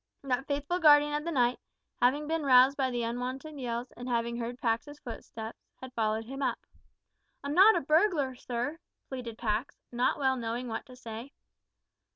That faithful guardian of the night, having been roused by the unwonted yells, and having heard Pax's footsteps, had followed him up. "I'm not a burglar, sir," pleaded Pax, not well knowing what to say.